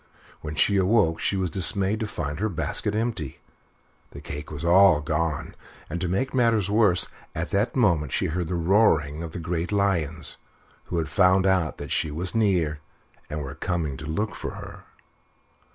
When she awoke she was dismayed to find her basket empty. The cake was all gone! and, to make matters worse, at that moment she heard the roaring of the great lions, who had found out that she was near and were coming to look for her.